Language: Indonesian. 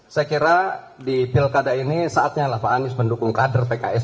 saya kira di pilkada ini saatnya lah pak anies mendukung kader pks